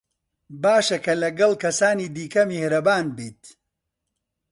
باشە کە لەگەڵ کەسانی دیکە میهرەبان بیت.